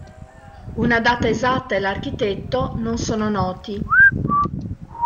Una data esatta e l'architetto non sono noti.